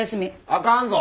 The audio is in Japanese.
あかんぞ！